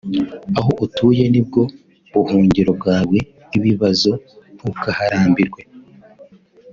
… aho utuye nibwo buhungiro bwawe bw’ibibazo ntukaharambirwe